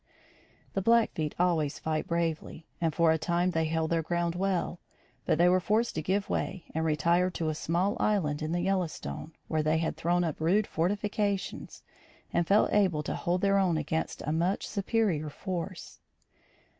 The Blackfeet always fight bravely, and, for a time, they held their ground well, but they were forced to give way and retired to a small island in the Yellowstone, where they had thrown up rude fortifications and felt able to hold their own against a much superior force.